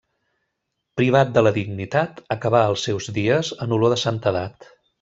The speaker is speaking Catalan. Privat de la dignitat, acabà els seus dies en olor de santedat.